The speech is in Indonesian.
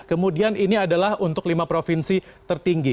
kemudian ini adalah untuk lima provinsi tertinggi